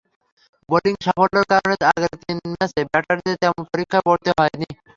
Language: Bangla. বোলিং সাফল্যের কারণে আগের তিন ম্যাচে ব্যাটারদের তেমন পরীক্ষায় পড়তে হয়নি।